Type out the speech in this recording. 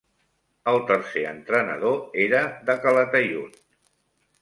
El tercer entrenador era de Calataiud.